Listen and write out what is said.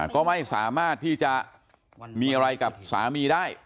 ก็ไม่สามารถที่จะมีอะไรกับสามีได้